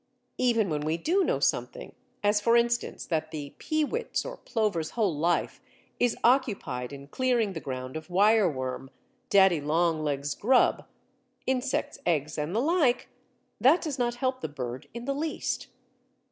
Even when we do know something, as for instance, that the peewit's or plover's whole life is occupied in clearing the ground of wireworm, daddy long legs grub, insects' eggs, and the like, that does not help the bird in the least.